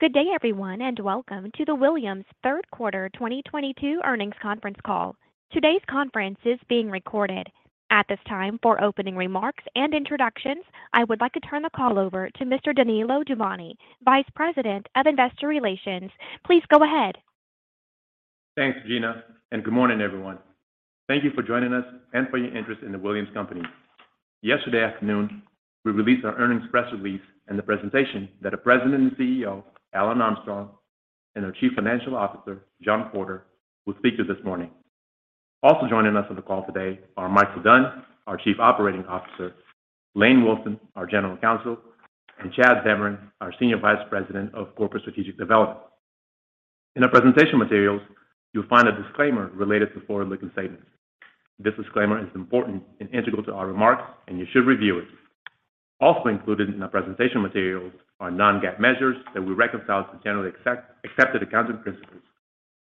Good day, everyone, and welcome to the Williams third quarter 2022 earnings conference call. Today's conference is being recorded. At this time, for opening remarks and introductions. I would like to turn the call over to Mr. Danilo Juvane, Vice President of Investor Relations. Please go ahead. Thanks, Gina, and good morning everyone. Thank you for joining us and for your interest in The Williams Companies. Yesterday afternoon, we released our earnings press release and the presentation that our President and CEO, Alan Armstrong, and our Chief Financial Officer, John Porter will speak to this morning. Also joining us on the call today are Michael Dunn, our Chief Operating Officer, Lane Wilson, our General Counsel, and Chad Zamarin, our Senior Vice President of Corporate Strategic Development. In our presentation materials, you'll find a disclaimer related to forward-looking statements. This disclaimer is important and integral to our remarks, and you should review it. Also included in our presentation materials are non-GAAP measures that we reconcile to generally accepted accounting principles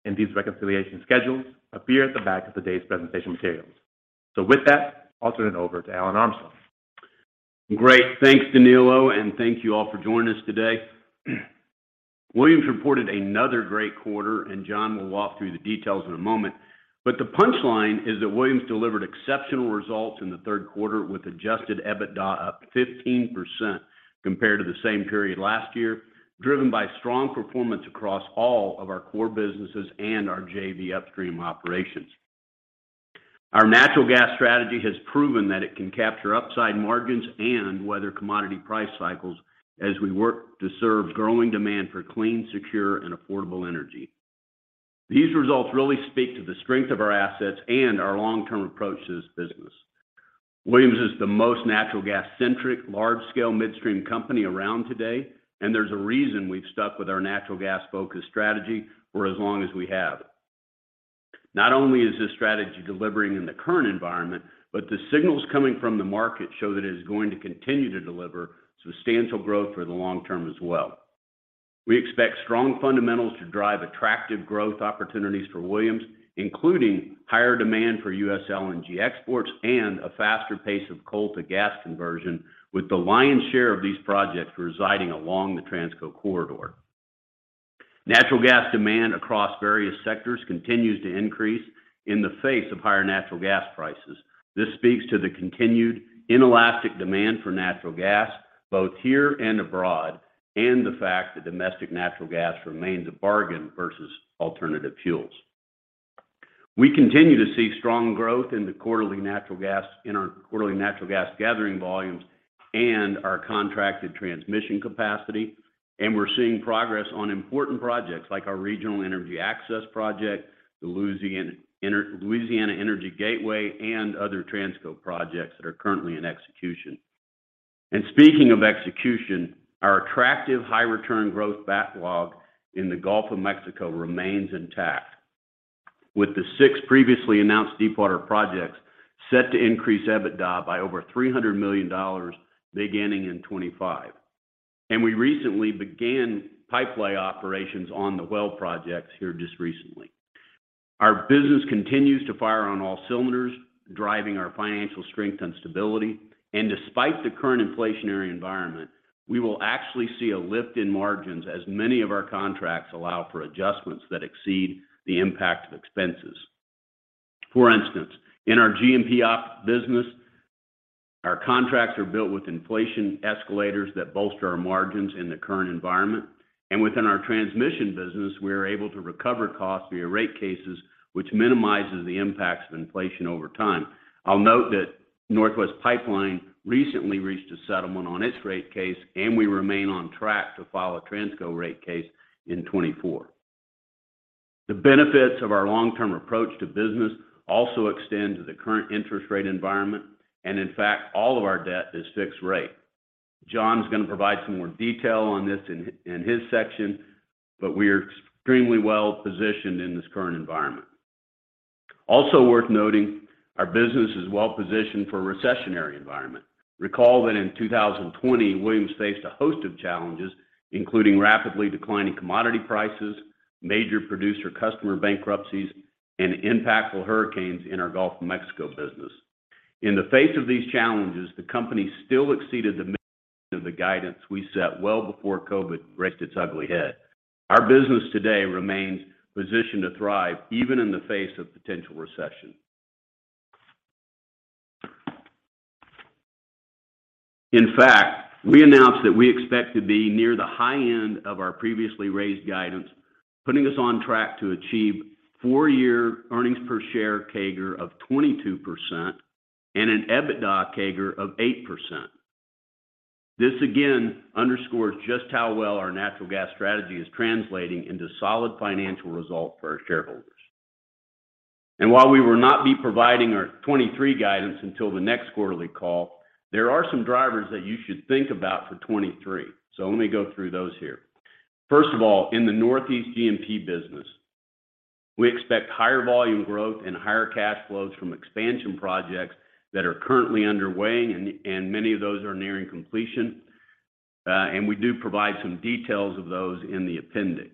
and these reconciliation schedules appear at the back of today's presentation materials. With that, I'll turn it over to Alan Armstrong. Great. Thanks, Danilo, and thank you all for joining us today. Williams reported another great quarter, and John will walk through the details in a moment. The punchline is that Williams delivered exceptional results in the third quarter with Adjusted EBITDA up 15% compared to the same period last year, driven by strong performance across all of our core businesses and our JV upstream operations. Our natural gas strategy has proven that it can capture upside margins and weather commodity price cycles as we work to serve growing demand for clean, secure, and affordable energy. These results really speak to the strength of our assets and our long-term approach to this business. Williams is the most natural gas-centric, large-scale midstream company around today, and there's a reason we've stuck with our natural gas-focused strategy for as long as we have. Not only is this strategy delivering in the current environment but the signals coming from the market show that it is going to continue to deliver substantial growth for the long term as well. We expect strong fundamentals to drive attractive growth opportunities for Williams including higher demand for U.S. LNG exports and a faster pace of coal-to-gas conversion with the lion's share of these projects residing along the Transco corridor. Natural gas demand across various sectors continues to increase in the face of higher natural gas prices. This speaks to the continued inelastic demand for natural gas, both here and abroad, and the fact that domestic natural gas remains a bargain versus alternative fuels. We continue to see strong growth in our quarterly natural gas gathering volumes and our contracted transmission capacity, and we're seeing progress on important projects like our Regional Energy Access Expansion, the Louisiana Energy Gateway, and other Transco projects that are currently in execution. Speaking of execution, our attractive high-return growth backlog in the Gulf of Mexico remains intact, with the six previously announced deepwater projects set to increase EBITDA by over $300 million beginning in 2025. We recently began pipe lay operations on the Whale projects here just recently. Our business continues to fire on all cylinders, driving our financial strength and stability. Despite the current inflationary environment, we will actually see a lift in margins as many of our contracts allow for adjustments that exceed the impact of expenses. For instance, in our G&P business, our contracts are built with inflation escalators that bolster our margins in the current environment. Within our transmission business, we are able to recover costs via rate cases, which minimizes the impacts of inflation over time. I'll note that Northwest Pipeline recently reached a settlement on its rate case, and we remain on track to file a Transco rate case in 2024. The benefits of our long-term approach to business also extend to the current interest rate environment. In fact, all of our debt is fixed rate. John's gonna provide some more detail on this in his section but we are extremely well positioned in this current environment. Also worth noting, our business is well positioned for a recessionary environment. Recall that in 2020, Williams faced a host of challenges including rapidly declining commodity prices major producer customer bankruptcies and impactful hurricanes in our Gulf of Mexico business. In the face of these challenges, the company still exceeded the high end of the guidance we set well before COVID raised its ugly head. Our business today remains positioned to thrive even in the face of potential recession. In fact, we announced that we expect to be near the high end of our previously raised guidance putting us on track to achieve four-year earnings per share CAGR of 22% and an EBITDA CAGR of 8%. This again underscores just how well our natural gas strategy is translating into solid financial results for our shareholders. While we will not be providing our 2023 guidance until the next quarterly call, there are some drivers that you should think about for 2023. Let me go through those here. First of all, in the Northeast G&P business, we expect higher volume growth and higher cash flows from expansion projects that are currently underway and many of those are nearing completion. We do provide some details of those in the appendix.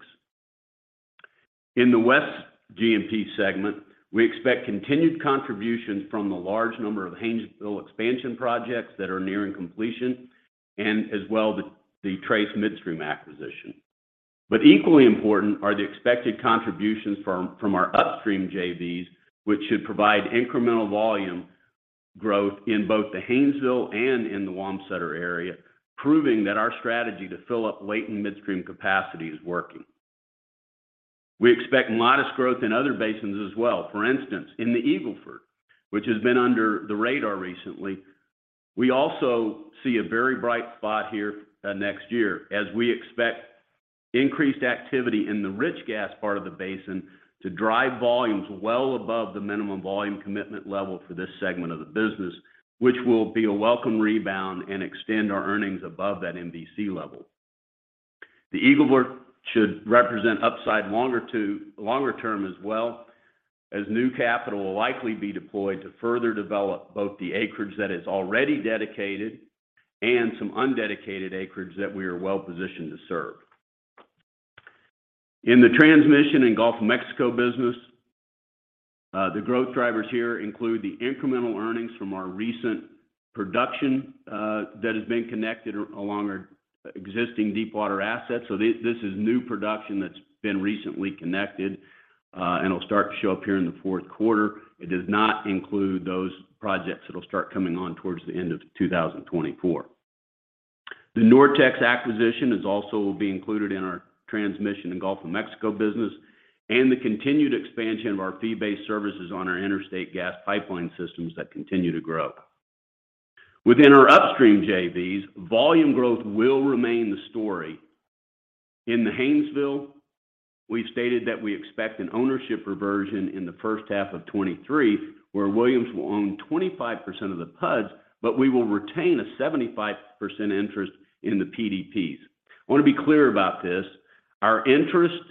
In the West G&P segment, we expect continued contributions from the large number of Haynesville expansion projects that are nearing completion and as well the Trace Midstream acquisition. Equally important are the expected contributions from our upstream JVs, which should provide incremental volume growth in both the Haynesville and in the Wamsutter area, proving that our strategy to fill up latent midstream capacity is working. We expect modest growth in other basins as well. For instance, in the Eagle Ford which has been under the radar recently. We also see a very bright spot here next year as we expect increased activity in the rich gas part of the basin to drive volumes well above the minimum volume commitment level for this segment of the business which will be a welcome rebound and extend our earnings above that MVC level. The Eagle Ford should represent upside longer term as well as new capital will likely be deployed to further develop both the acreage that is already dedicated and some undedicated acreage that we are well-positioned to serve. In the transmission and Gulf of Mexico business, the growth drivers here include the incremental earnings from our recent production, that has been connected along our existing deepwater assets. This is new production that's been recently connected, and will start to show up here in the fourth quarter. It does not include those projects that'll start coming on towards the end of 2024. The NorTex acquisition will also be included in our transmission in Gulf of Mexico business and the continued expansion of our fee-based services on our interstate gas pipeline systems that continue to grow. Within our upstream JVs, volume growth will remain the story. In the Haynesville, we've stated that we expect an ownership reversion in the H1of 2023, where Williams will own 25% of the PUDs but we will retain a 75% interest in the PDPs. I wanna be clear about this. Our interest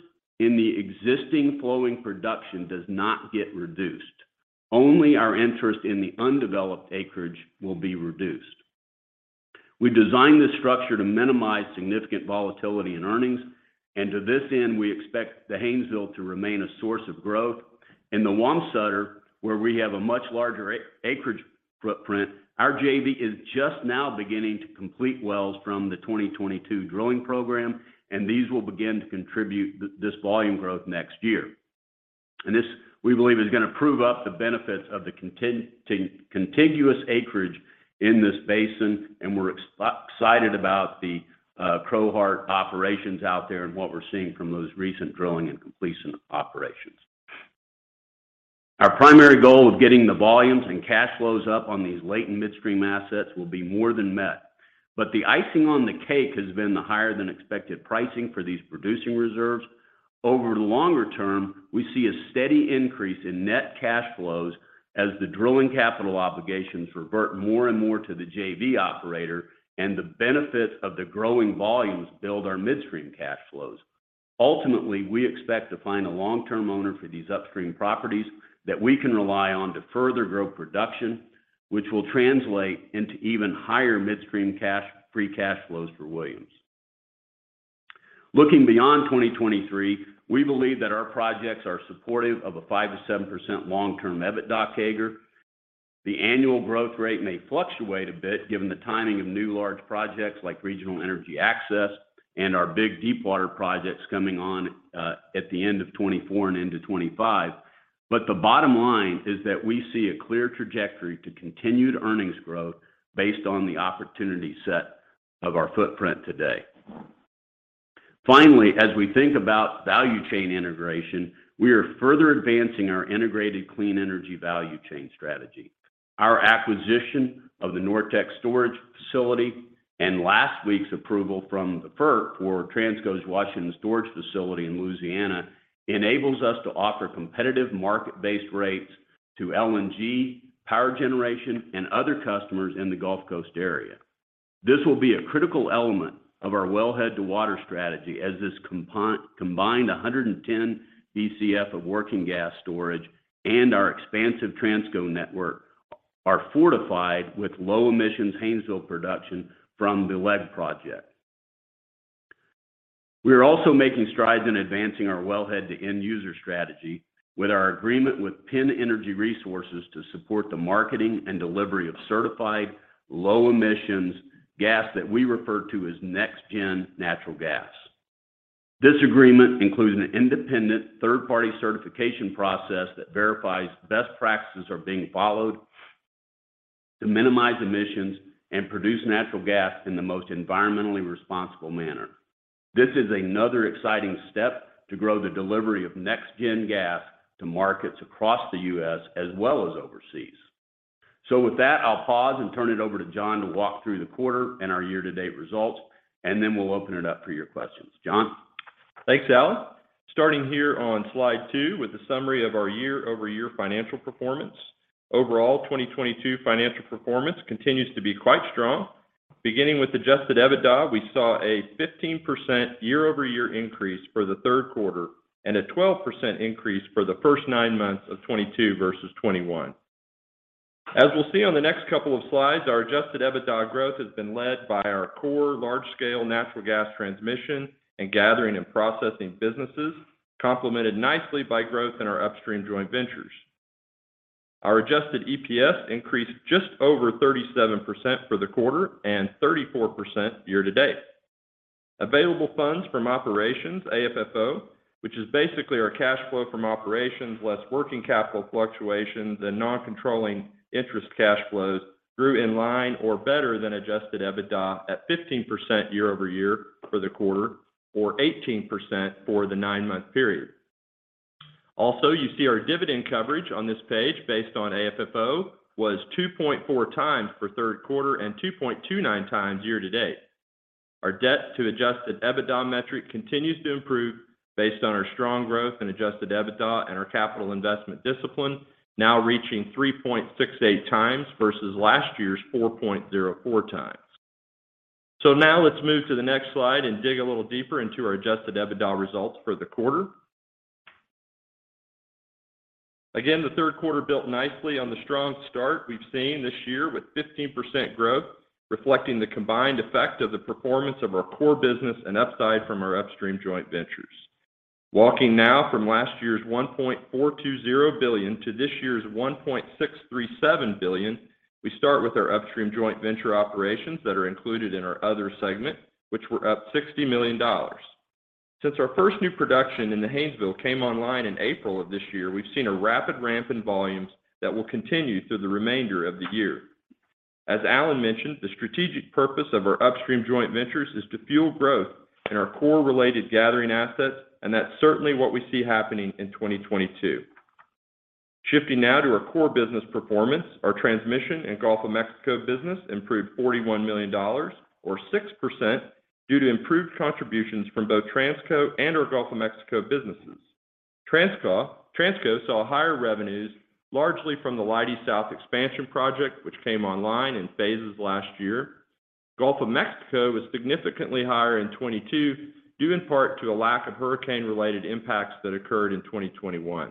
in the existing flowing production does not get reduced. Only our interest in the undeveloped acreage will be reduced. We designed this structure to minimize significant volatility in earnings and to this end. We expect the Haynesville to remain a source of growth. In the Wamsutter, where we have a much larger acreage footprint. Our JV is just now beginning to complete wells from the 2022 drilling program and these will begin to contribute this volume growth next year. This we believe, is gonna prove up the benefits of the contiguous acreage in this basin and we're excited about the Crowheart operations out there and what we're seeing from those recent drilling and completion operations. Our primary goal of getting the volumes and cash flows up on these latent midstream assets will be more than met, but the icing on the cake has been the higher than expected pricing for these producing reserves. Over the longer term, we see a steady increase in net cash flows as the drilling capital obligations revert more and more to the JV operator and the benefits of the growing volumes build our midstream cash flows. Ultimately, we expect to find a long-term owner for these upstream properties that we can rely on to further grow production, which will translate into even higher midstream free cash flows for Williams. Looking beyond 2023, we believe that our projects are supportive of a 5%-7% long-term EBITDA CAGR. The annual growth rate may fluctuate a bit given the timing of new large projects like Regional Energy Access and our big deepwater projects coming on at the end of 2024 and into 2025. The bottom line is that we see a clear trajectory to continued earnings growth based on the opportunity set of our footprint today. Finally, as we think about value chain integration. We are further advancing our integrated clean energy value chain strategy. Our acquisition of the NorTex storage facility and last week's approval from the FERC for Transco's Washington Storage Field in Louisiana enables us to offer competitive market-based rates to LNG, power generation, and other customers in the Gulf Coast area. This will be a critical element of our wellhead to water strategy as this combined 110 BCF of working gas storage and our expansive Transco network are fortified with low emissions Haynesville production from the Louisiana Energy Gateway project. We are also making strides in advancing our wellhead to end user strategy with our agreement with PennEnergy Resources to support the marketing and delivery of certified low-emissions gas that we refer to as NextGen Gas. This agreement includes an independent third-party certification process that verifies best practices are being followed to minimize emissions and produce natural gas in the most environmentally responsible manner. This is another exciting step to grow the delivery of NextGen Gas to markets across the U.S. as well as overseas. With that, I'll pause and turn it over to John to walk through the quarter and our year-to-date results, and then we'll open it up for your questions. John? Thanks, Alan. Starting here on slide two with a summary of our year-over-year financial performance. Overall, 2022 financial performance continues to be quite strong. Beginning with Adjusted EBITDA, we saw a 15% year-over-year increase for the third quarter and a 12% increase for the first nine months of 2022 versus 2021. As we'll see on the next couple of slides, our Adjusted EBITDA growth has been led by our core large-scale natural gas transmission and gathering and processing businesses, complemented nicely by growth in our upstream joint ventures. Our adjusted EPS increased just over 37% for the quarter and 34% year to date. Available funds from operations, AFFO, which is basically our cash flow from operations less working capital fluctuations and non-controlling interest cash flows, grew in line or better than Adjusted EBITDA at 15% year-over-year for the quarter, or 18% for the nine-month period. Also, you see our dividend coverage on this page based on AFFO was 2.4 times for third quarter and 2.29 times year to date. Our debt to Adjusted EBITDA metric continues to improve based on our strong growth in Adjusted EBITDA and our capital investment discipline, now reaching 3.68 times versus last year's 4.04 times. Now let's move to the next slide and dig a little deeper into our Adjusted EBITDA results for the quarter. Again, the third quarter built nicely on the strong start we've seen this year with 15% growth, reflecting the combined effect of the performance of our core business and upside from our upstream joint ventures. Walking now from last year's $1.420 billion to this year's $1.637 billion. We start with our upstream joint venture operations that are included in our other segment, which were up $60 million. Since our first new production in the Haynesville came online in April of this year. We've seen a rapid ramp in volumes that will continue through the remainder of the year. As Alan mentioned, the strategic purpose of our upstream joint ventures is to fuel growth in our core related gathering assets, and that's certainly what we see happening in 2022. Shifting now to our core business performance. Our transmission in Gulf of Mexico business improved $41 million or 6% due to improved contributions from both Transco and our Gulf of Mexico businesses. Transco saw higher revenues, largely from the Leidy South expansion project, which came online in phases last year. Gulf of Mexico was significantly higher in 2022, due in part to a lack of hurricane-related impacts that occurred in 2021.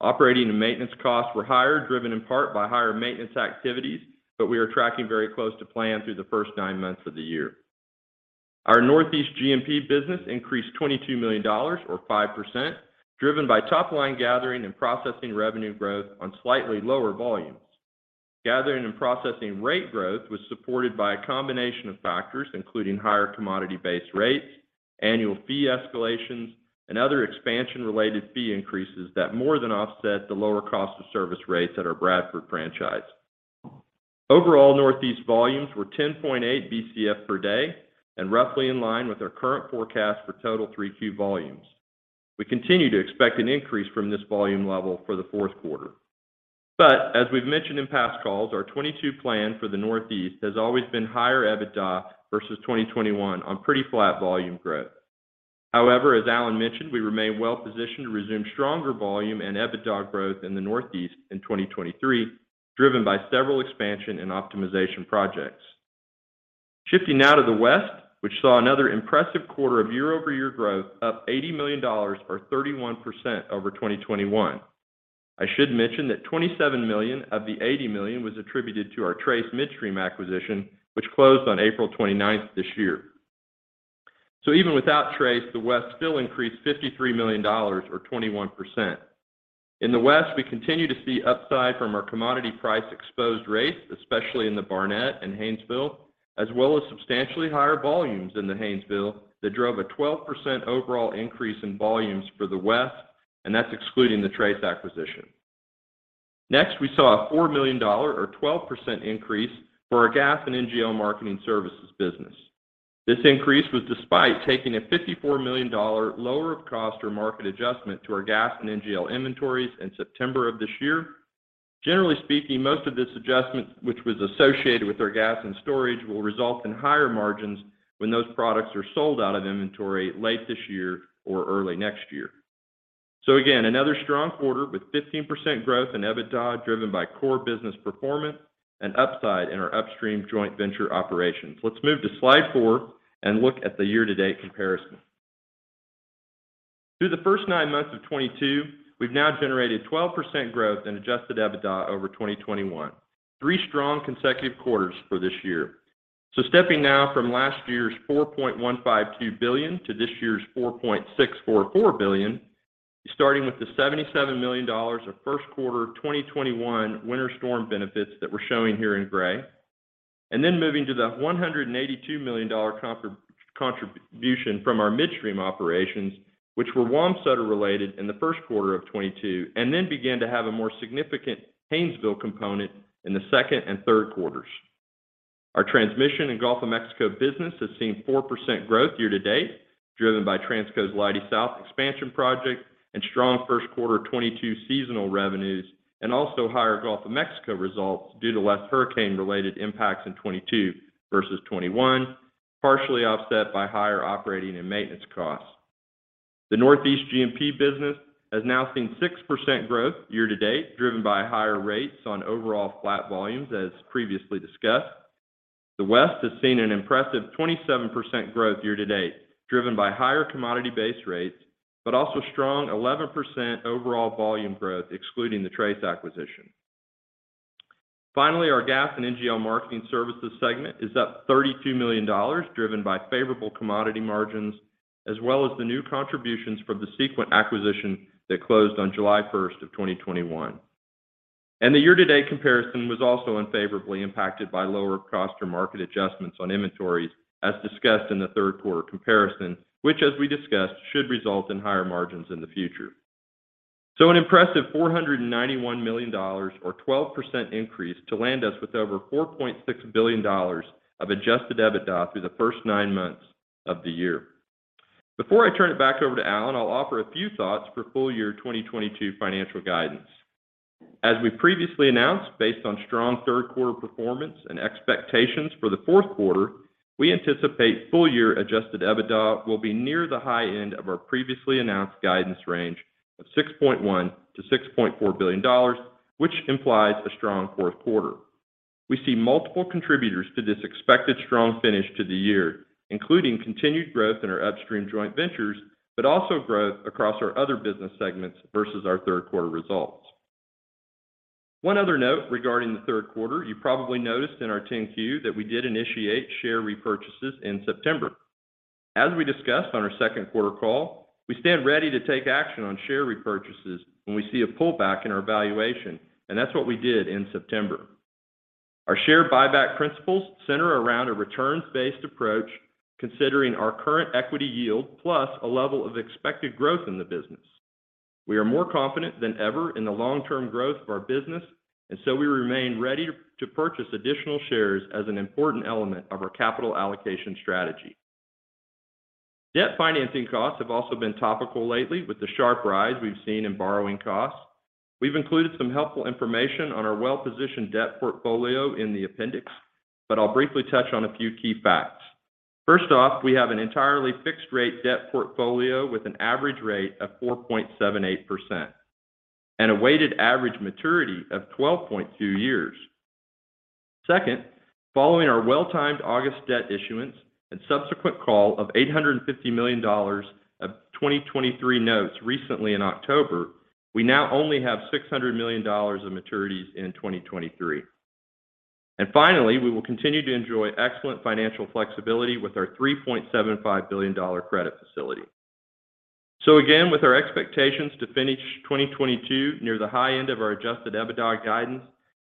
Operating and maintenance costs were higher, driven in part by higher maintenance activities, but we are tracking very close to plan through the first nine months of the year. Our Northeast G&P business increased $22 million or 5%, driven by top-line gathering and processing revenue growth on slightly lower volumes. Gathering and processing rate growth was supported by a combination of factors including, higher commodity-based rates, annual fee escalations, and other expansion-related fee increases that more than offset the lower cost of service rates at our Bradford franchise. Overall, Northeast volumes were 10.8 BCF per day and roughly in line with our current forecast for total 3Q volumes. We continue to expect an increase from this volume level for the fourth quarter. As we've mentioned in past calls, our 2022 plan for the Northeast has always been higher EBITDA versus 2021 on pretty flat volume growth. However, as Alan mentioned, we remain well-positioned to resume stronger volume and EBITDA growth in the Northeast in 2023, driven by several expansion and optimization projects. Shifting now to the West, which saw another impressive quarter of year-over-year growth up $80 million or 31% over 2021. I should mention that $27 million of the $80 million was attributed to our Trace Midstream acquisition, which closed on April 29 this year. Even without Trace, the West still increased $53 million or 21%. In the West, we continue to see upside from our commodity price exposed rates, especially in the Barnett and Haynesville, as well as substantially higher volumes in the Haynesville that drove a 12% overall increase in volumes for the West, and that's excluding the Trace acquisition. Next, we saw a $4 million or 12% increase for our gas and NGL marketing services business. This increase was despite taking a $54 million lower of cost or market adjustment to our gas and NGL inventories in September of this year. Generally speaking, most of this adjustment, which was associated with our gas and storage will result in higher margins when those products are sold out of inventory late this year or early next year. Again, another strong quarter with 15% growth in EBITDA driven by core business performance and upside in our upstream joint venture operations. Let's move to slide four and look at the year-to-date comparison. Through the first nine months of 2022, we've now generated 12% growth in adjusted EBITDA over 2021. Three strong consecutive quarters for this year. Stepping now from last year's $4.152 billion to this year's $4.644 billion, starting with the $77 million of first quarter 2021 winter storm benefits that we're showing here in gray, and then moving to the $182 million contribution from our midstream operations, which were Wamsutter-related in the first quarter of 2022, and then began to have a more significant Haynesville component in the second and third quarters. Our transmission and Gulf of Mexico business has seen 4% growth year to date, driven by Transco's Leidy South expansion project and strong first quarter 2022 seasonal revenues, and also higher Gulf of Mexico results due to less hurricane-related impacts in 2022 versus 2021, partially offset by higher operating and maintenance costs. The Northeast G&P business has now seen 6% growth year to date, driven by higher rates on overall flat volumes as previously discussed. The West has seen an impressive 27% growth year-to-date, driven by higher commodity base rates but also strong 11% overall volume growth excluding the Trace acquisition. Finally, our gas and NGL marketing services segment is up $32 million, driven by favorable commodity margins, as well as the new contributions from the Sequent acquisition that closed on July 1, 2021. The year-to-date comparison was also unfavorably impacted by lower cost or market adjustments on inventories as discussed in the third quarter comparison. Which as we discussed, should result in higher margins in the future. An impressive $491 million or 12% increase to land us with over $4.6 billion of Adjusted EBITDA through the first nine months of the year. Before I turn it back over to Alan, I'll offer a few thoughts for full year 2022 financial guidance. As we previously announced, based on strong third quarter performance and expectations for the fourth quarter. We anticipate full year Adjusted EBITDA will be near the high end of our previously announced guidance range of $6.1 billion-$6.4 billion, which implies a strong fourth quarter. We see multiple contributors to this expected strong finish to the year, including continued growth in our upstream joint ventures but also growth across our other business segments versus our third quarter results. One other note regarding the third quarter, you probably noticed in our 10-Q that we did initiate share repurchases in September. As we discussed on our second quarter call, we stand ready to take action on share repurchases when we see a pullback in our valuation, and that's what we did in September. Our share buyback principles center around a returns-based approach considering our current equity yield plus a level of expected growth in the business. We are more confident than ever in the long-term growth of our business, and so we remain ready to purchase additional shares as an important element of our capital allocation strategy. Debt financing costs have also been topical lately with the sharp rise we've seen in borrowing costs. We've included some helpful information on our well-positioned debt portfolio in the appendix, but I'll briefly touch on a few key facts. First off, we have an entirely fixed rate debt portfolio with an average rate of 4.78% and a weighted average maturity of 12.2 years. Second, following our well-timed August debt issuance and subsequent call of $850 million of 2023 notes recently in October, we now only have $600 million of maturities in 2023. Finally, we will continue to enjoy excellent financial flexibility with our $3.75 billion credit facility. Again, with our expectations to finish 2022 near the high end of our Adjusted EBITDA guidance,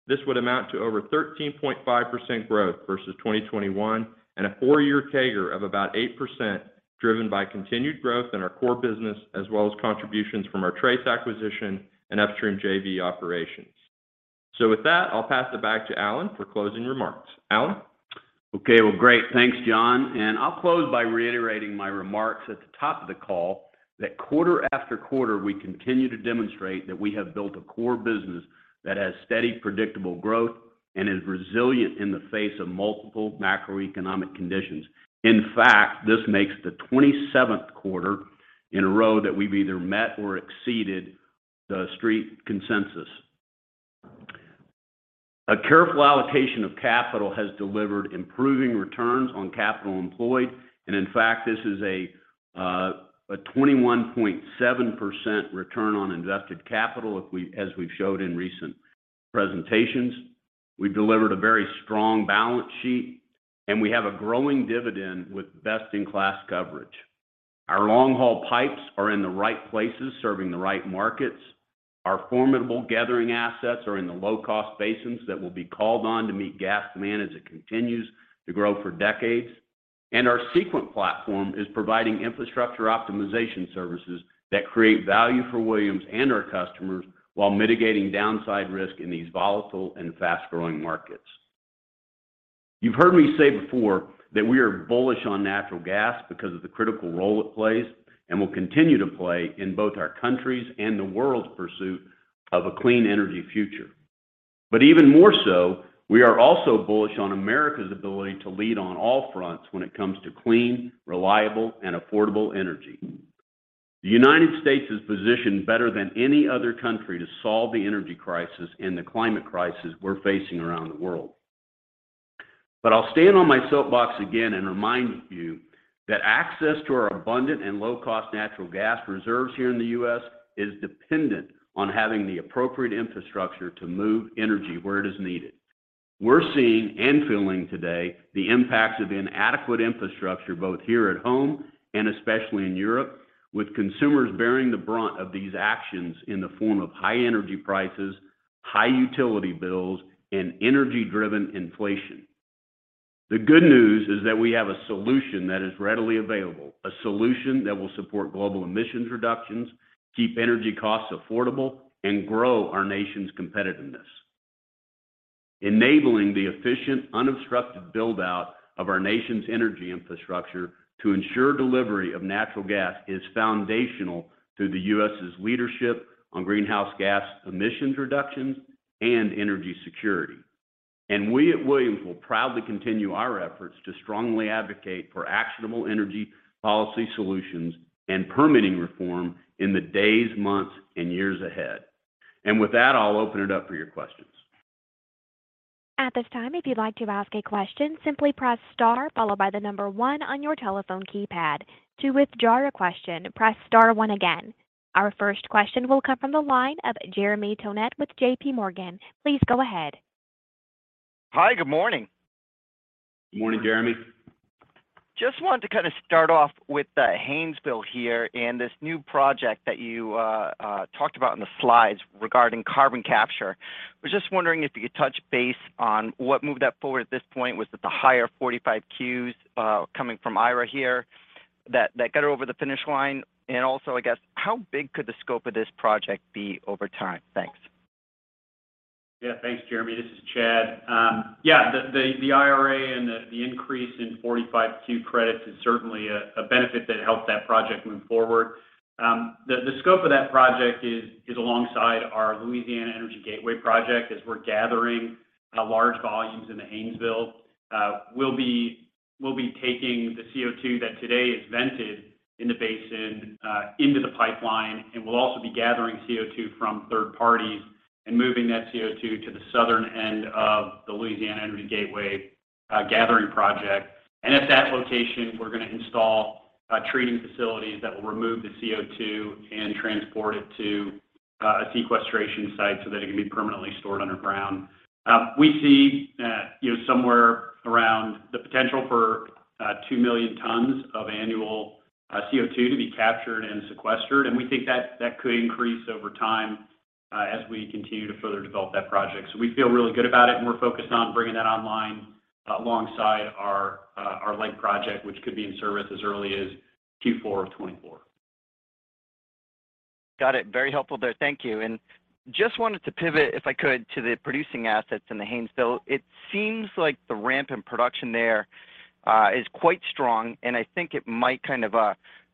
this would amount to over 13.5% growth versus 2021 and a four-year CAGR of about 8%, driven by continued growth in our core business as well as contributions from our Trace acquisition and upstream JV operations. With that, I'll pass it back to Alan for closing remarks. Alan. Okay. Well, great. Thanks, John. I'll close by reiterating my remarks at the top of the call that quarter after quarter. We continue to demonstrate that we have built a core business that has steady, predictable growth and is resilient in the face of multiple macroeconomic conditions. In fact, this makes the 27th quarter in a row that we've either met or exceeded the street consensus. A careful allocation of capital has delivered improving returns on capital employed. In fact, this is a 21.7% return on invested capital, as we've showed in recent presentations. We've delivered a very strong balance sheet, and we have a growing dividend with best-in-class coverage. Our long-haul pipes are in the right places serving the right markets. Our formidable gathering assets are in the low-cost basins that will be called on to meet gas demand as it continues to grow for decades. Our Sequent platform is providing infrastructure optimization services that create value for Williams and our customers while mitigating downside risk in these volatile and fast-growing markets. You've heard me say before that we are bullish on natural gas because of the critical role it plays and will continue to play in both our country's and the world's pursuit of a clean energy future. Even more so, we are also bullish on America's ability to lead on all fronts when it comes to clean, reliable, and affordable energy. The United States is positioned better than any other country to solve the energy crisis and the climate crisis we're facing around the world. I'll stand on my soapbox again and remind you that access to our abundant and low-cost natural gas reserves here in the U.S. is dependent on having the appropriate infrastructure to move energy where it is needed. We're seeing and feeling today the impacts of inadequate infrastructure, both here at home and especially in Europe, with consumers bearing the brunt of these actions in the form of high energy prices, high utility bills, and energy-driven inflation. The good news is that we have a solution that is readily available, a solution that will support global emissions reductions, keep energy costs affordable, and grow our nation's competitiveness. Enabling the efficient, unobstructed build-out of our nation's energy infrastructure to ensure delivery of natural gas is foundational to the U.S's leadership on greenhouse gas emissions reductions and energy security. We at Williams will proudly continue our efforts to strongly advocate for actionable energy policy solutions and permitting reform in the days, months, and years ahead. With that, I'll open it up for your questions. At this time, if you'd like to ask a question, simply press star followed by the number one on your telephone keypad. To withdraw a question, press star one again. Our first question will come from the line of Jeremy Tonet with JPMorgan. Please go ahead. Hi. Good morning. Morning, Jeremy. Just wanted to kind of start off with the Haynesville here and this new project that you talked about in the slides regarding carbon capture. We just wondering if you could touch base on what moved that forward at this point. Was it the higher 45Qs coming from IRA here that got it over the finish line? I guess, how big could the scope of this project be over time? Thanks. Yeah. Thanks, Jeremy. This is Chad. Yeah, the IRA and the increase in 45Q credits is certainly a benefit that helped that project move forward. The scope of that project is alongside our Louisiana Energy Gateway project, as we're gathering large volumes in the Haynesville. We'll be taking the CO2 that today is vented in the basin into the pipeline, and we'll also be gathering CO2 from third parties and moving that CO2 to the southern end of the Louisiana Energy Gateway gathering project. At that location, we're gonna install treating facilities that will remove the CO2 and transport it to a sequestration site so that it can be permanently stored underground. We see, you know, somewhere around the potential for 2 million tons of annual CO2 to be captured and sequestered, and we think that could increase over time, as we continue to further develop that project. We feel really good about it, and we're focused on bringing that online alongside our lake project, which could be in service as early as Q4 of 2024. Got it. Very helpful there. Thank you. Just wanted to pivot, if I could, to the producing assets in the Haynesville. It seems like the ramp in production there is quite strong, and I think it might kind of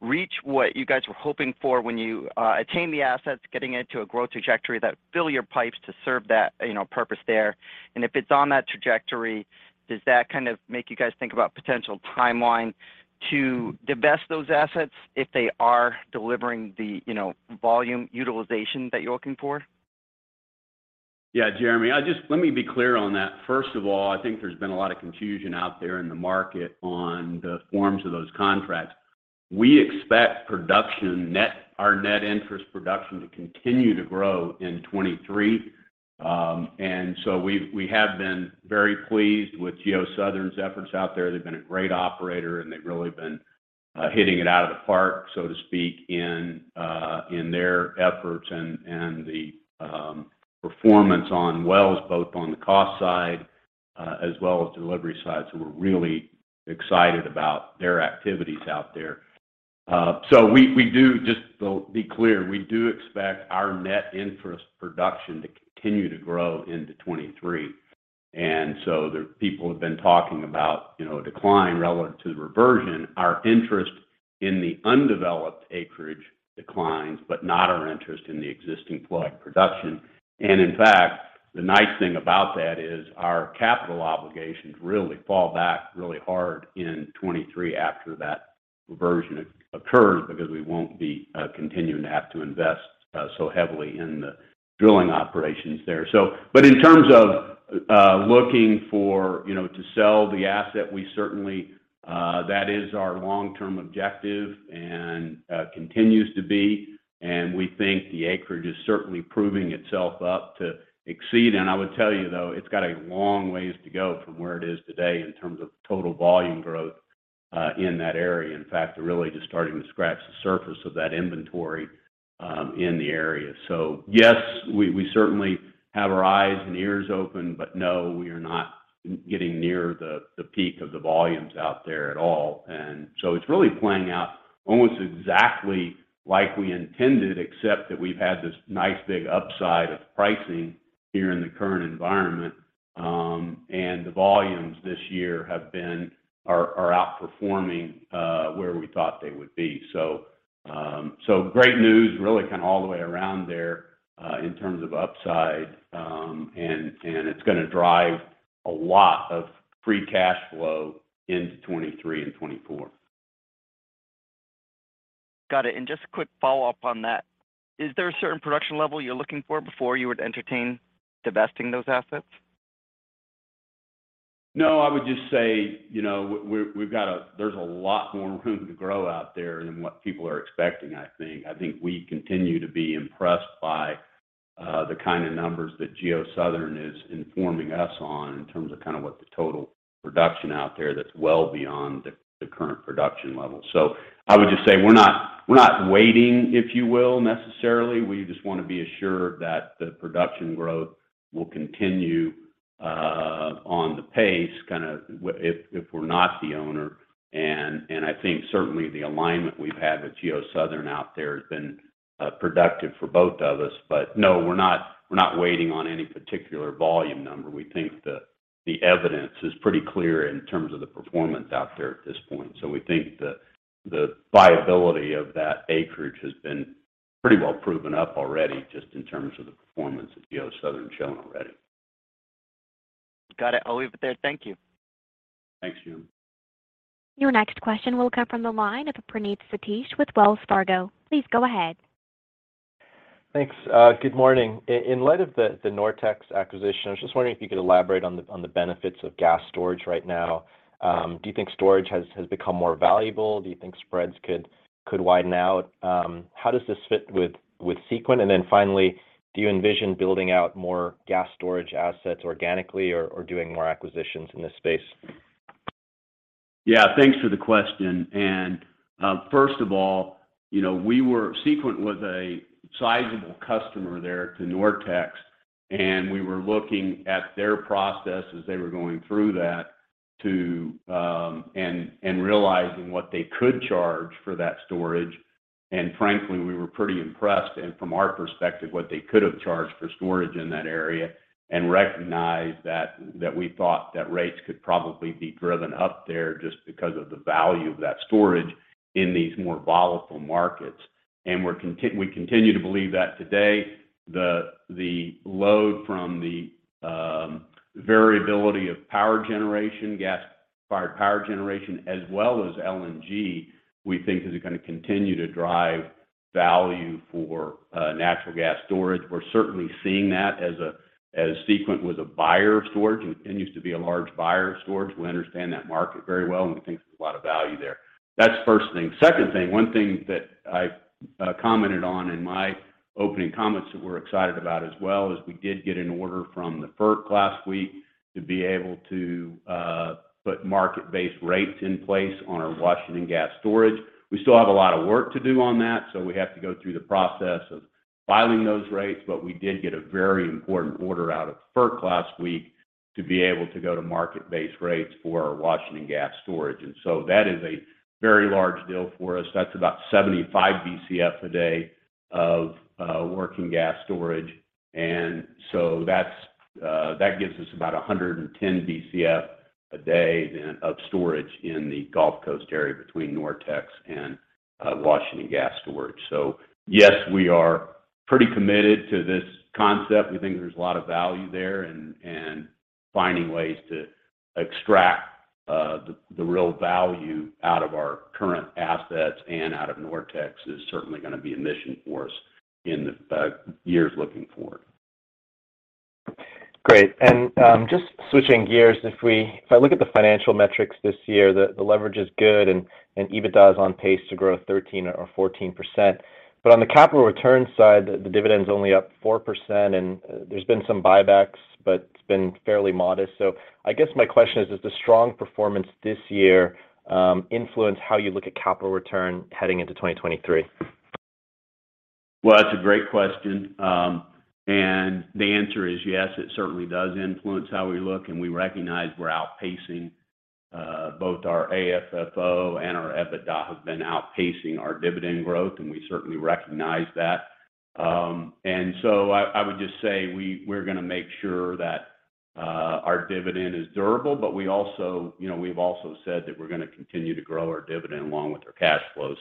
reach what you guys were hoping for when you attained the assets getting into a growth trajectory that fill your pipes to serve that, you know, purpose there. If it's on that trajectory does that kind of make you guys think about potential timeline to divest those assets if they are delivering the, you know, volume utilization that you're looking for? Yeah. Jeremy, let me be clear on that. First of all, I think there's been a lot of confusion out there in the market on the forms of those contracts. We expect production net, our net interest production to continue to grow in 2023. We have been very pleased with GeoSouthern Energy's efforts out there. They've been a great operator, and they've really been hitting it out of the park so to speak in their efforts and the performance on wells, both on the cost side as well as delivery side. We're really excited about their activities out there. We do just to be clear, we do expect our net interest production to continue to grow into 2023. The people have been talking about, you know, a decline relevant to the reversion. Our interest in the undeveloped acreage declines, but not our interest in the existing plug production. In fact, the nice thing about that is our capital obligations really fall back really hard in 2023 after that reversion occurs because we won't be continuing to have to invest so heavily in the drilling operations there. But in terms of looking for, you know, to sell the asset, we certainly that is our long-term objective and continues to be, and we think the acreage is certainly proving itself up to exceed. I would tell you, though, it's got a long ways to go from where it is today in terms of total volume growth in that area. In fact, they're really just starting to scratch the surface of that inventory in the area. Yes, we certainly have our eyes and ears open, but no, we are not getting near the peak of the volumes out there at all. It's really playing out almost exactly like we intended, except that we've had this nice big upside of pricing here in the current environment. The volumes this year are outperforming where we thought they would be. Great news really kind of all the way around there in terms of upside. It's gonna drive a lot of free cash flow into 2023 and 2024. Got it. Just a quick follow-up on that. Is there a certain production level you're looking for before you would entertain divesting those assets? No, I would just say, you know, there's a lot more room to grow out there than what people are expecting, I think. I think we continue to be impressed by the kind of numbers that GeoSouthern Energy is informing us on in terms of kind of what the total production out there that's well beyond the current production level. I would just say we're not waiting, if you will necessarily. We just wanna be assured that the production growth will continue on the pace kinda if we're not the owner. I think certainly the alignment we've had with GeoSouthern Energy out there has been productive for both of us. No, we're not waiting on any particular volume number. We think the evidence is pretty clear in terms of the performance out there at this point. We think the viability of that acreage has been pretty well proven up already just in terms of the performance that GeoSouthern Energy shown already. Got it. I'll leave it there. Thank you. Thanks, Jeremy. Your next question will come from the line of Praneeth Satish with Wells Fargo. Please go ahead. Thanks. Good morning. In light of the NorTex's acquisition, I was just wondering if you could elaborate on the benefits of gas storage right now. Do you think storage has become more valuable? Do you think spreads could widen out? How does this fit with Sequent? And then finally, do you envision building out more gas storage assets organically or doing more acquisitions in this space? Yeah, thanks for the question. First of all, you know, Sequent was a sizable customer there to NorTex's, and we were looking at their process as they were going through that to, and realizing what they could charge for that storage. Frankly, we were pretty impressed. From our perspective, what they could have charged for storage in that area and recognized that we thought that rates could probably be driven up there just because of the value of that storage in these more volatile markets. We're continue to believe that today. The load from the variability of power generation, gas-fired power generation, as well as LNG. We think is gonna continue to drive value for natural gas storage. We're certainly seeing that as Sequent was a buyer of storage and continues to be a large buyer of storage. We understand that market very well, and we think there's a lot of value there. That's first thing. Second thing, one thing that I commented on in my opening comments that we're excited about as well is we did get an order from the FERC last week to be able to put market-based rates in place on our Washington gas storage. We still have a lot of work to do on that so we have to go through the process of filing those rates, but we did get a very important order out of FERC last week to be able to go to market-based rates for our Washington gas storage. That is a very large deal for us. That's about 75 Bcf a day of working gas storage. That gives us about 110 Bcf a day then of storage in the Gulf Coast area between NorTex and Washington gas storage. Yes, we are pretty committed to this concept. We think there's a lot of value there and finding ways to extract the real value out of our current assets and out of NorTex is certainly gonna be a mission for us in the years looking forward. Great. Just switching gears, if I look at the financial metrics this year, the leverage is good and EBITDA is on pace to grow 13% or 14%. On the capital return side, the dividend's only up 4%, and there's been some buybacks, but it's been fairly modest. I guess my question is, does the strong performance this year influence how you look at capital return heading into 2023? Well, that's a great question. The answer is yes, it certainly does influence how we look. We recognize we're outpacing both our AFFO and our EBITDA have been outpacing our dividend growth, and we certainly recognize that. I would just say we're gonna make sure that our dividend is durable, but we also, you know, we've also said that we're gonna continue to grow our dividend along with our cash flows.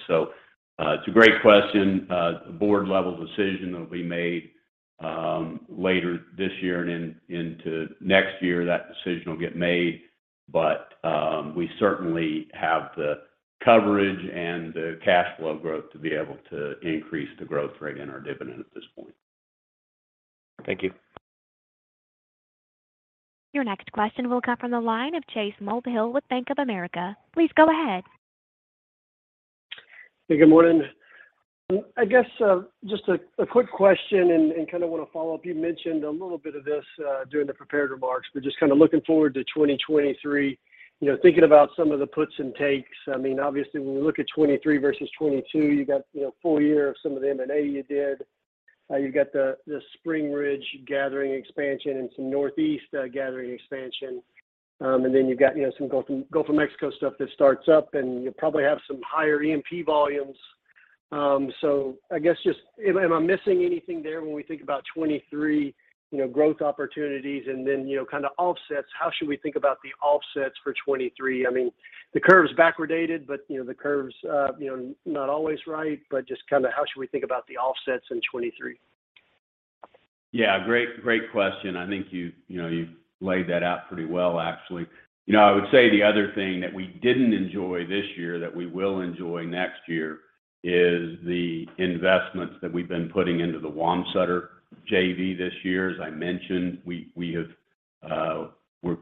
It's a great question. The board-level decision will be made later this year and into next year, that decision will get made. We certainly have the coverage and the cash flow growth to be able to increase the growth rate in our dividend at this point. Thank you. Your next question will come from the line of Chase Mulvehill with Bank of America. Please go ahead. Hey, good morning. I guess just a quick question and kinda wanna follow up. You mentioned a little bit of this during the prepared remarks, but just kinda looking forward to 2023, you know, thinking about some of the puts and takes. I mean, obviously, when we look at 2023 versus 2022, you got, you know, full year of some of the M&A you did. You've got the Spring Ridge gathering expansion and some Northeast gathering expansion. And then you've got, you know, some Gulf of Mexico stuff that starts up, and you probably have some higher E&P volumes. So I guess, am I missing anything there when we think about 2023, you know, growth opportunities and then, you know, kinda offsets? How should we think about the offsets for 2023? I mean, the curve's backwardated, but you know, the curve's not always right. Just kinda, how should we think about the offsets in 2023? Yeah. Great question. I think you know, you've laid that out pretty well actually. You know, I would say the other thing that we didn't enjoy this year that we will enjoy next year is the investments that we've been putting into the Wamsutter JV this year. As I mentioned, we're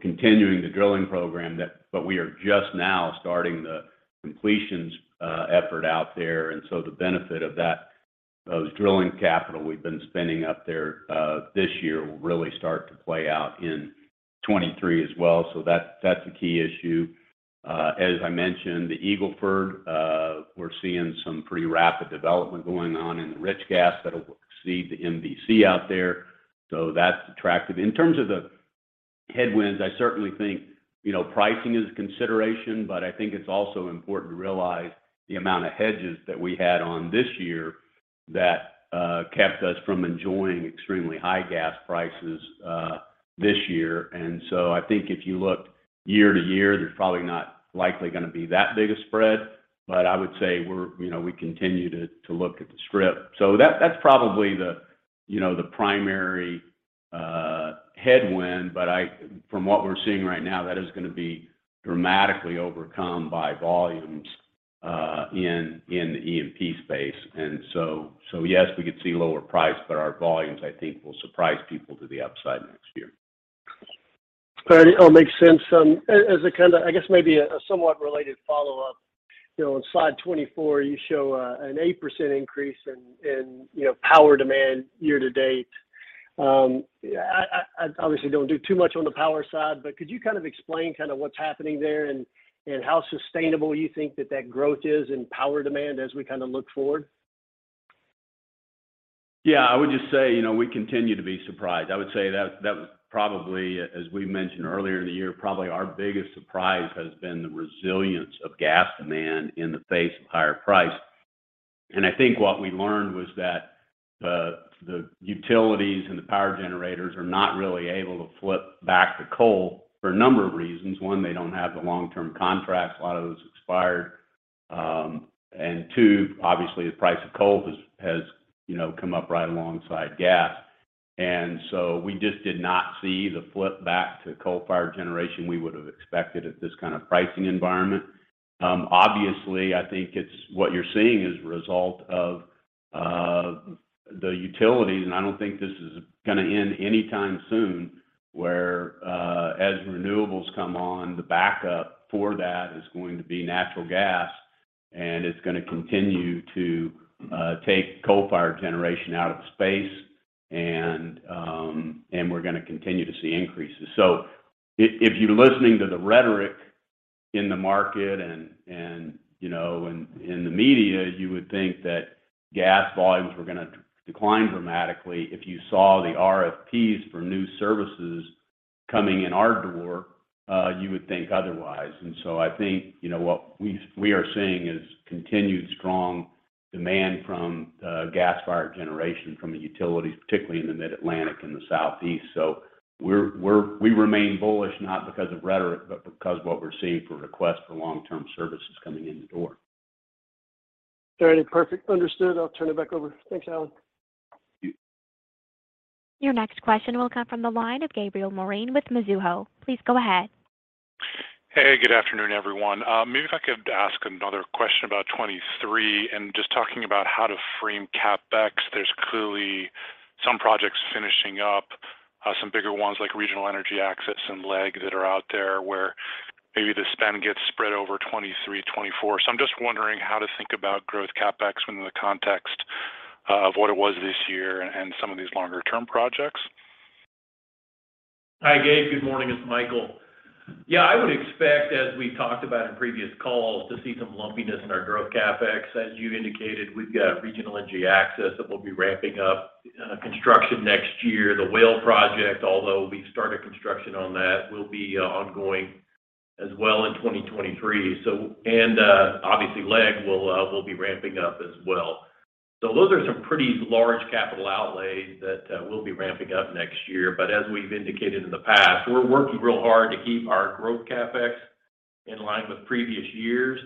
continuing the drilling program but we are just now starting the completions effort out there. The benefit of that, of drilling capital we've been spending up there this year will really start to play out in 2023 as well. That's a key issue. As I mentioned the Eagle Ford, we're seeing some pretty rapid development going on in the rich gas that'll exceed the MVC out there. That's attractive. In terms of the headwinds, I certainly think, you know, pricing is a consideration, but I think it's also important to realize the amount of hedges that we had on this year that kept us from enjoying extremely high gas prices this year. I think if you look year to year there's probably not likely gonna be that big a spread. I would say we're, you know, we continue to look at the strip. That, that's probably the, you know, the primary headwind. From what we're seeing right now, that is gonna be dramatically overcome by volumes in the E&P space. Yes, we could see lower price but our volumes. I think, will surprise people to the upside next year. All right. It all makes sense. As a kind of, I guess maybe a somewhat related follow-up. You know, on slide 24, you show an 8% increase in, you know, power demand year to date. Yeah, I obviously don't do too much on the power side, but could you kind of explain kind of what's happening there and how sustainable you think that growth is in power demand as we kind of look forward? Yeah. I would just say, you know, we continue to be surprised. I would say that probably, as we mentioned earlier in the year, probably our biggest surprise has been the resilience of gas demand in the face of higher price. I think what we learned was that the utilities and the power generators are not really able to flip back to coal for a number of reasons. One, they don't have the long-term contracts. A lot of those expired. And two, obviously the price of coal has, you know, come up right alongside gas. We just did not see the flip back to coal-fired generation we would have expected at this kind of pricing environment. Obviously, I think what you're seeing is a result of the utilities, and I don't think this is gonna end anytime soon, where as renewables come on, the backup for that is going to be natural gas, and it's gonna continue to take coal-fired generation out of the space. We're gonna continue to see increases. If you're listening to the rhetoric in the market and, you know, in the media, you would think that gas volumes were gonna decline dramatically. If you saw the RFPs for new services coming in our door, you would think otherwise. I think, you know, what we are seeing is continued strong demand from gas-fired generation from the utilities, particularly in the Mid-Atlantic and the Southeast. We remain bullish not because of rhetoric, but because what we're seeing for requests for long-term services coming in the door. All right. Perfect. Understood. I'll turn it back over. Thanks, Alan. Thank you. Your next question will come from the line of Gabriel Moreen with Mizuho. Please go ahead. Hey, good afternoon, everyone. Maybe if I could ask another question about 2023 and just talking about how to frame CapEx. There's clearly some projects finishing up, some bigger ones like Regional Energy Access and LEG that are out there where maybe the spend gets spread over 2023, 2024. I'm just wondering how to think about growth CapEx within the context of what it was this year and some of these longer-term projects. Hi, Gabe. Good morning. It's Michael. Yeah, I would expect, as we talked about in previous calls, to see some lumpiness in our growth CapEx. As you indicated, we've got Regional Energy Access that we'll be ramping up construction next year. The Whale project, although we started construction on that, will be ongoing as well in 2023. Obviously, LEG will be ramping up as well. Those are some pretty large capital outlays that we'll be ramping up next year. But as we've indicated in the past, we're working real hard to keep our growth CapEx in line with previous years.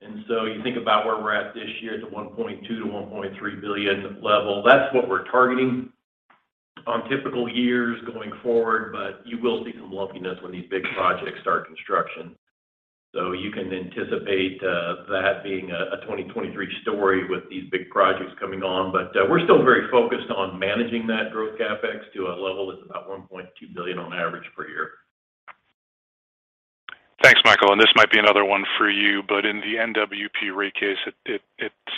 You think about where we're at this year at the $1.2billion-$1.3 billion level. That's what we're targeting on typical years going forward, but you will see some lumpiness when these big projects start construction. You can anticipate that being a 2023 story with these big projects coming on. We're still very focused on managing that growth CapEx to a level that's about $1.2 billion on average per year. Thanks, Michael. This might be another one for you, but in the NWP rate case, it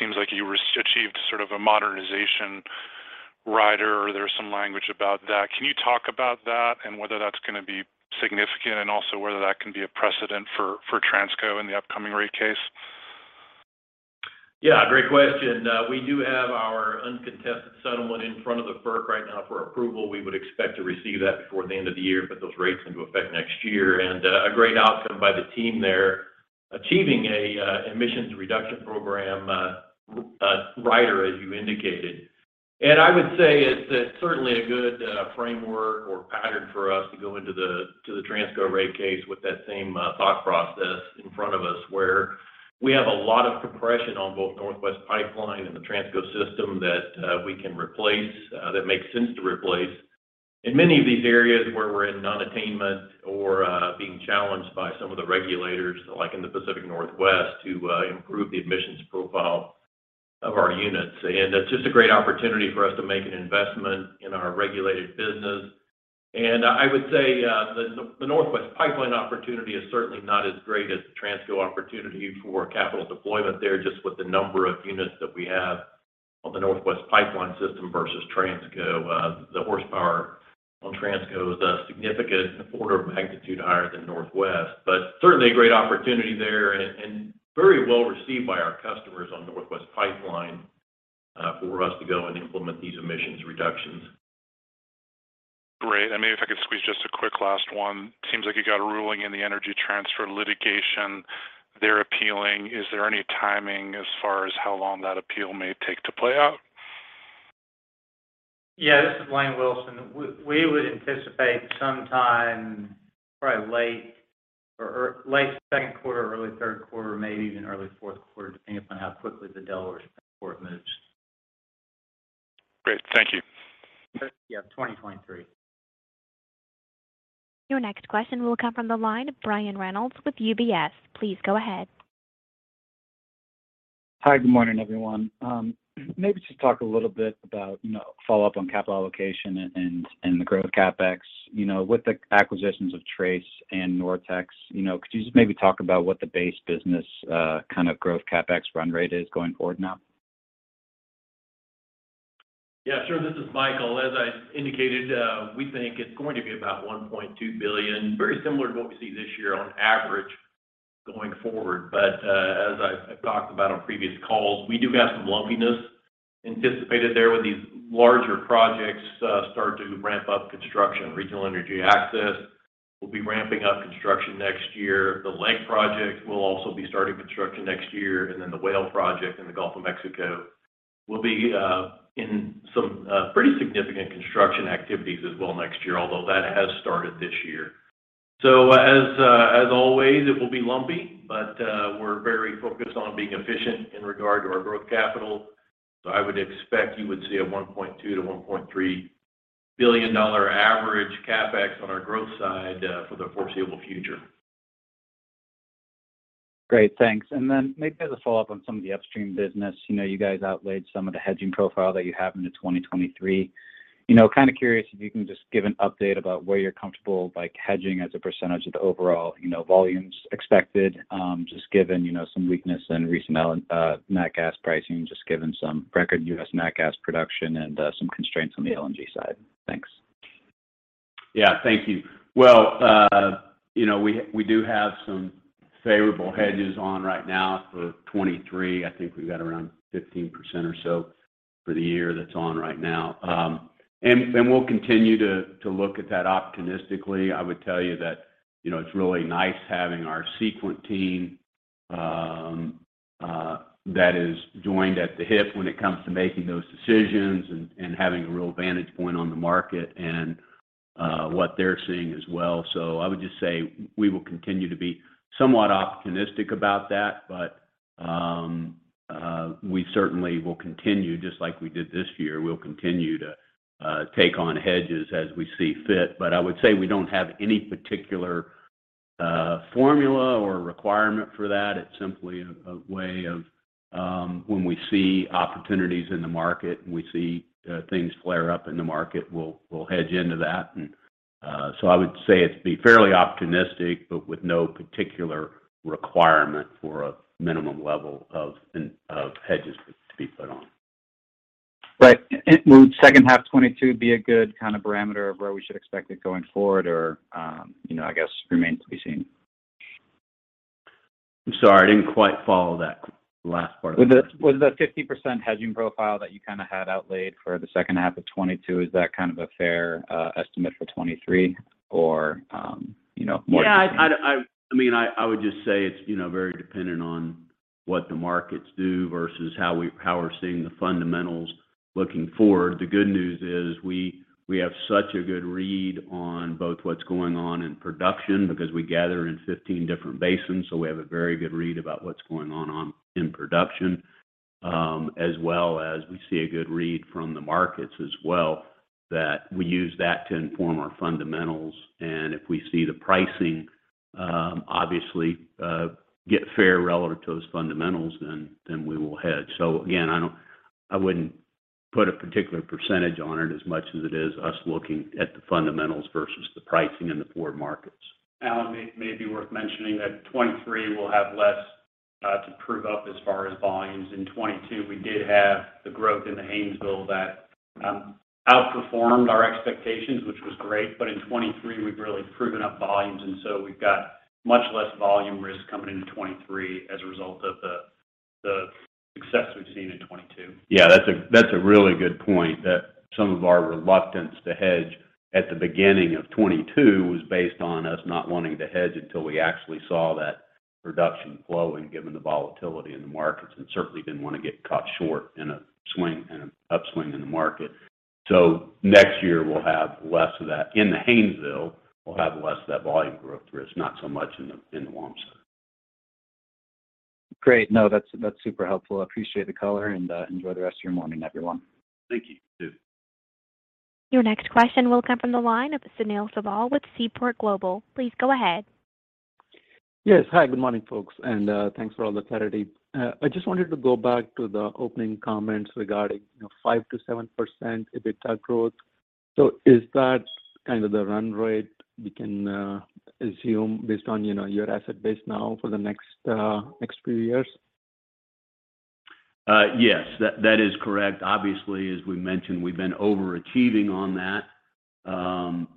seems like you achieved sort of a modernization rider or there's some language about that. Can you talk about that and whether that's gonna be significant and also whether that can be a precedent for Transco in the upcoming rate case? Yeah, great question. We do have our uncontested settlement in front of the FERC right now for approval. We would expect to receive that before the end of the year put those rates into effect next year. A great outcome by the team there, achieving a emissions reduction program rider as you indicated. I would say it's certainly a good framework or pattern for us to go into the Transco rate case with that same thought process in front of us, where we have a lot of compression on both Northwest Pipeline and the Transco system that we can replace, that makes sense to replace. In many of these areas where we're in non-attainment or being challenged by some of the regulators, like in the Pacific Northwest, to improve the emissions profile of our units. It's just a great opportunity for us to make an investment in our regulated business. I would say the Northwest Pipeline opportunity is certainly not as great as the Transco opportunity for capital deployment there, just with the number of units that we have on the Northwest Pipeline system versus Transco. The horsepower on Transco is a significant order of magnitude higher than Northwest. Certainly a great opportunity there and very well received by our customers on Northwest Pipeline for us to go and implement these emissions reductions. Great. Maybe if I could squeeze just a quick last one. Seems like you got a ruling in the Energy Transfer litigation. They're appealing. Is there any timing as far as how long that appeal may take to play out? Yeah, this is Lane Wilson. We would anticipate sometime probably late second quarter, early third quarter, maybe even early fourth quarter, depending upon how quickly the Delaware support moves. Great. Thank you. Yeah, 2023. Your next question will come from the line of Brian Reynolds with UBS. Please go ahead. Hi, good morning, everyone. Maybe just talk a little bit about, you know, follow-up on capital allocation and the growth CapEx. You know, with the acquisitions of Trace and NorTex, you know, could you just maybe talk about what the base business kind of growth CapEx run rate is going forward now? Yeah, sure. This is Michael. As I indicated, we think it's going to be about $1.2 billion, very similar to what we see this year on average going forward. As I've talked about on previous calls, we do have some lumpiness anticipated there when these larger projects start to ramp up construction. Regional Energy Access will be ramping up construction next year. The LEG project will also be starting construction next year, and then the Whale project in the Gulf of Mexico will be in some pretty significant construction activities as well next year although that has started this year. As always, it will be lumpy, but we're very focused on being efficient in regard to our growth capital. I would expect you would see a $1.2 billion-$1.3 billion average CapEx on our growth side, for the foreseeable future. Great. Thanks. Maybe as a follow-up on some of the upstream business. You know, you guys outlaid some of the hedging profile that you have into 2023. You know, kinda curious if you can just give an update about where you're comfortable. Like, hedging as a percentage of the overall, you know, volumes expected, just given, you know, some weakness in recent nat gas pricing, just given some record U.S. nat gas production and, some constraints on the LNG side. Thanks. Yeah. Thank you. Well, you know, we do have some favorable hedges on right now for 2023. I think we've got around 15% or so for the year that's on right now. We'll continue to look at that opportunistically. I would tell you that, you know, it's really nice having our Sequent team that is joined at the hip when it comes to making those decisions and having a real vantage point on the market and what they're seeing as well. I would just say we will continue to be somewhat opportunistic about that, but we certainly will continue, just like we did this year. We'll continue to take on hedges as we see fit. I would say we don't have any particular formula or requirement for that. It's simply a way of when we see opportunities in the market and we see things flare up in the market. We'll hedge into that. I would say it'd be fairly opportunistic, but with no particular requirement for a minimum level of hedges to be put on. Right. Would H2 2022 be a good kind of parameter of where we should expect it going forward or, you know, I guess remains to be seen? I'm sorry. I didn't quite follow that last part. Was the 50% hedging profile that you kinda had outlaid for the H2 of 2022, is that kind of a fair estimate for 2023 or, you know, more- Yeah. I mean, I would just say it's, you know, very dependent on what the markets do versus how we're seeing the fundamentals looking forward. The good news is we have such a good read on both what's going on in production because we gather in 15 different basins, so we have a very good read about what's going on in production, as well as we see a good read from the markets as well, that we use that to inform our fundamentals. If we see the pricing obviously get fair relative to those fundamentals then we will hedge. Again, I wouldn't put a particular percentage on it as much as it is us looking at the fundamentals versus the pricing in the forward markets. Alan, may be worth mentioning that 2023 will have less to prove up as far as volumes. In 2022, we did have the growth in the Haynesville that outperformed our expectations, which was great. In 2023, we've really proven up volumes, and so we've got much less volume risk coming into 2023 as a result of the success. We've seen in 2022. Yeah, that's a really good point, that some of our reluctance to hedge at the beginning of 2022 was based on us not wanting to hedge until we actually saw that production flowing given the volatility in the markets and certainly. Didn't wanna get caught short in an upswing in the market. Next year we'll have less of that. In the Haynesville, we'll have less of that volume growth risk, not so much in the Wamsutter. Great. No, that's super helpful. I appreciate the color and enjoy the rest of your morning, everyone. Thank you. You too. Your next question will come from the line of Sunil Sibal with Seaport Global. Please go ahead. Yes. Hi, good morning, folks, and thanks for all the clarity. I just wanted to go back to the opening comments regarding, you know, 5%-7% EBITDA growth. Is that kind of the run rate we can assume based on, you know, your asset base now for the next few years? Yes. That is correct. Obviously, as we mentioned, we've been overachieving on that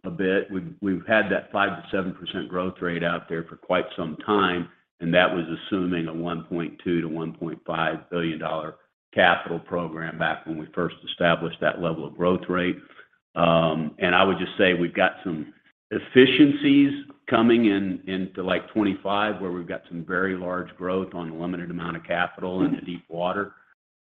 a bit. We've had that 5%-7% growth rate out there for quite some time, and that was assuming a $1.2 billion-$1.5 billion capital program back when we first established that level of growth rate. I would just say we've got some efficiencies coming in into like 25, where we've got some very large growth on a limited amount of capital into deepwater.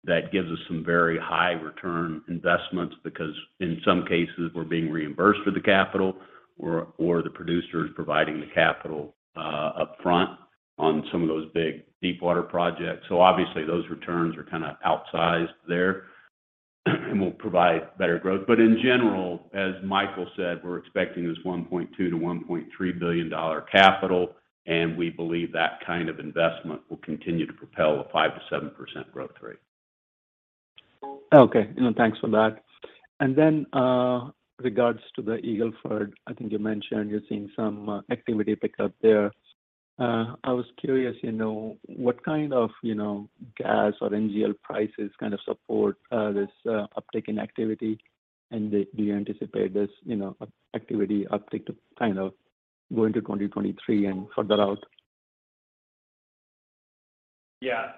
That gives us some very high return investments because in some cases we're being reimbursed for the capital or the producer is providing the capital upfront on some of those big deepwater projects. Obviously, those returns are kind of outsized there and will provide better growth. In general, as Michael said, we're expecting this $1.2 billion-$1.3 billion capital, and we believe that kind of investment will continue to propel a 5%-7% growth rate. Okay. You know, thanks for that. Then, regards to the Eagle Ford, I think you mentioned you're seeing some activity pick up there. I was curious, you know, what kind of, you know, gas or NGL prices kind of support this uptick in activity? Do you anticipate this, you know, activity uptick to kind of go into 2023 and further out? Yeah.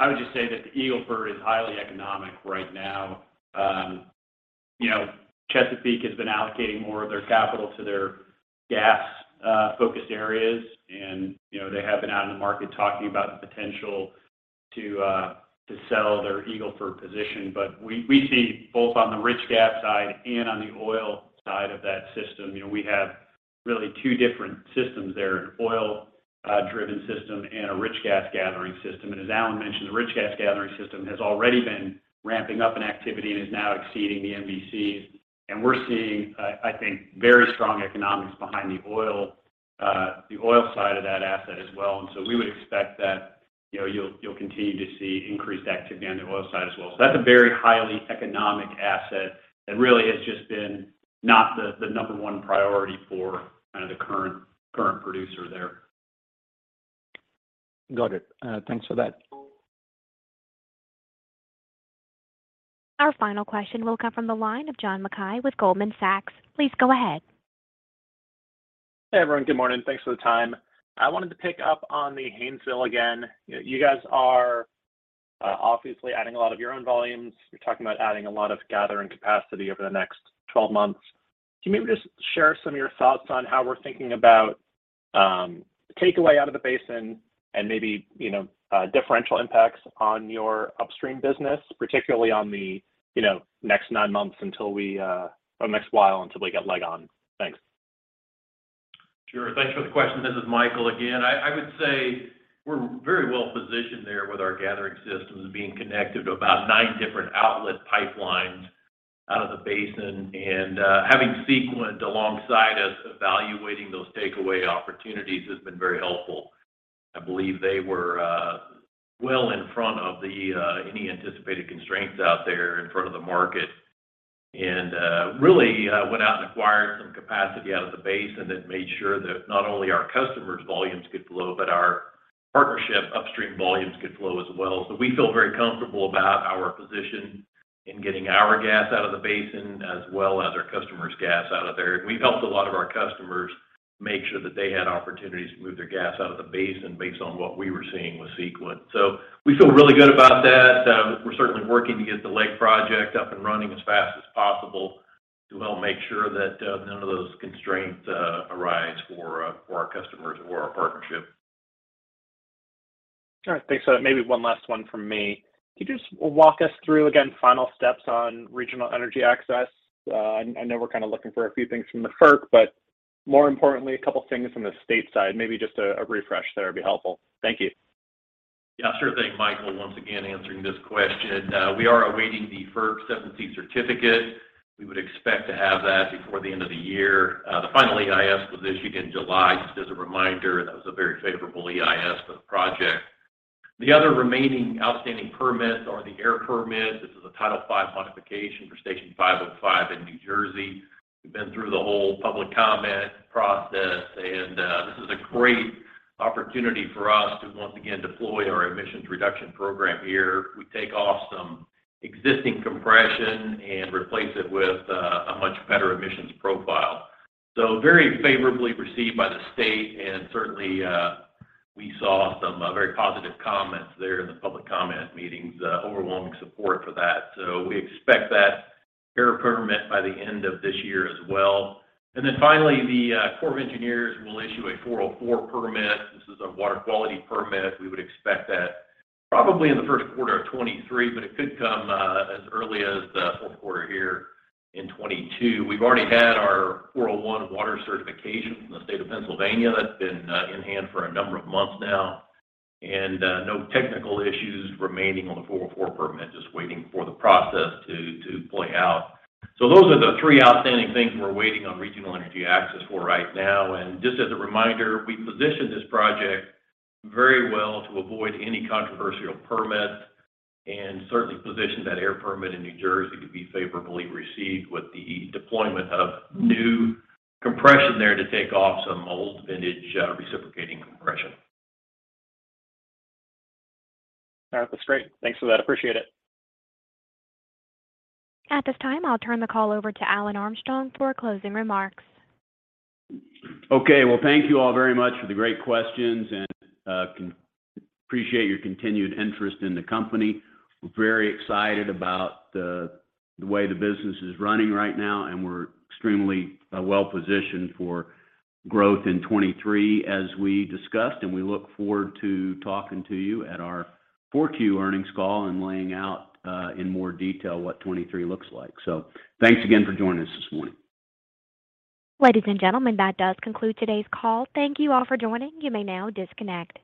I would just say that the Eagle Ford is highly economic right now. You know, Chesapeake has been allocating more of their capital to their gas focused areas. You know, they have been out in the market talking about the potential to sell their Eagle Ford position. We see both on the rich gas side and on the oil side of that system. You know, we have really two different systems there, an oil driven system and a rich gas gathering system. As Alan mentioned, the rich gas gathering system has already been ramping up in activity and is now exceeding the MVCs. We're seeing, I think, very strong economics behind the oil side of that asset as well. We would expect that, you know, you'll continue to see increased activity on the oil side as well. That's a very highly economic asset that really has just been not the number one priority for kind of the current producer there. Got it. Thanks for that. Our final question will come from the line of John Mackay with Goldman Sachs. Please go ahead. Hey, everyone. Good morning. Thanks for the time. I wanted to pick up on the Haynesville again. You know, you guys are obviously adding a lot of your own volumes. You're talking about adding a lot of gathering capacity over the next 12 months. Can you maybe just share some of your thoughts on how we're thinking about takeaway out of the basin and maybe, you know, differential impacts on your upstream business, particularly on the, you know, next nine months until we get LEG on? Thanks. Sure. Thanks for the question. This is Michael again. I would say we're very well positioned there with our gathering systems being connected to about nine different outlet pipelines out of the basin. Having Sequent alongside us evaluating those takeaway opportunities has been very helpful. I believe they were well in front of any anticipated constraints out there in front of the market and really went out and acquired some capacity out of the basin that made sure that not only our customers' volumes could flow, but our partnership upstream volumes could flow as well. We feel very comfortable about our position in getting our gas out of the basin as well as our customers' gas out of there. We've helped a lot of our customers make sure that they had opportunities to move their gas out of the basin based on what we were seeing with Sequent. We feel really good about that. We're certainly working to get the LEG project up and running as fast as possible to help make sure that none of those constraints arise for our customers or our partnership. All right, thanks. Maybe one last one from me. Could you just walk us through, again, final steps on Regional Energy Access? I know we're kind of looking for a few things from the FERC, but more importantly, a couple of things from the state side. Maybe just a refresh there would be helpful. Thank you. Yeah, sure thing. Michael, once again, answering this question. We are awaiting the FERC certificate. We would expect to have that before the end of the year. The final EIS was issued in July. Just as a reminder, that was a very favorable EIS for the project. The other remaining outstanding permits are the air permits. This is a Title V modification for Station 505 in New Jersey. We've been through the whole public comment process, and this is a great opportunity for us to once again deploy our emissions reduction program here. We take off some existing compression and replace it with a much better emissions profile. Very favorably received by the state and certainly we saw some very positive comments there in the public comment meetings, overwhelming support for that. We expect that air permit by the end of this year as well. Then finally, the U.S. Army Corps of Engineers will issue a 404 permit. This is a water quality permit. We would expect that probably in the first quarter of 2023, but it could come as early as the fourth quarter here in 2022. We've already had our 401 water quality certification from the state of Pennsylvania. That's been in hand for a number of months now. No technical issues remaining on the 404 permit, just waiting for the process to play out. Those are the three outstanding things we're waiting on Regional Energy Access Expansion for right now. Just as a reminder, we positioned this project very well to avoid any controversial permits and certainly positioned that air permit in New Jersey to be favorably received with the deployment of new compression there to take off some old vintage, reciprocating compression. All right. That's great. Thanks for that. Appreciate it. At this time, I'll turn the call over to Alan Armstrong for closing remarks. Okay. Well, thank you all very much for the great questions, and appreciate your continued interest in the company. We're very excited about the way the business is running right now, and we're extremely well positioned for growth in 2023, as we discussed, and we look forward to talking to you at our 4Q earnings call and laying out in more detail what 2023 looks like. Thanks again for joining us this morning. Ladies and gentlemen, that does conclude today's call. Thank you all for joining. You may now disconnect.